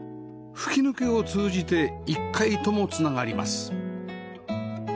吹き抜けを通じて１階とも繋がります